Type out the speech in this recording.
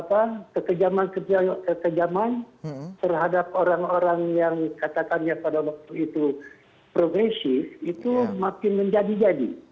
apa kekejaman kekejaman terhadap orang orang yang katakannya pada waktu itu progresif itu makin menjadi jadi